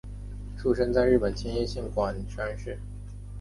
出生在日本千叶县馆山市。